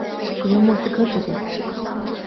使用莫斯科时间。